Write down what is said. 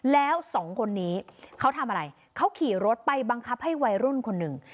แล้วสองคนนี้เขาทำอะไรเขาขี่รถไปบังคับให้วัยรุ่นคนหนึ่ง